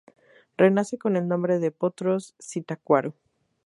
Renace con el nombre de Potros Zitácuaro.